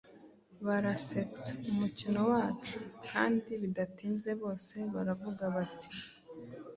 Barasetsa umukino wacu, Kandi bidatinze bose baravuga bati